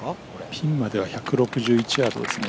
ピンまでは１６１ヤードですね。